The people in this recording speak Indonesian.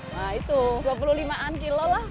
wah itu dua puluh lima an kilo lah